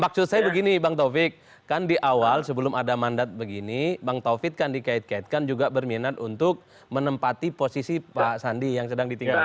maksud saya begini bang taufik kan di awal sebelum ada mandat begini bang taufik kan dikait kaitkan juga berminat untuk menempati posisi pak sandi yang sedang ditinggalkan